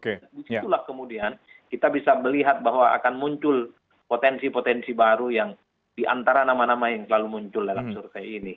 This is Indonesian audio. disitulah kemudian kita bisa melihat bahwa akan muncul potensi potensi baru yang diantara nama nama yang selalu muncul dalam survei ini